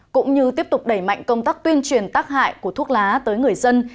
cũng như tiếp tục đẩy mạnh công tác tuyên truyền tác hại của thuốc lá tới người dân